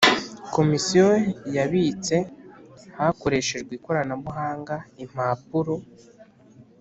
Komisiyo yabitse hakoreshejwe ikoranabuhanga impapuro